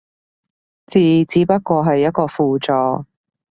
字只不過係一個輔助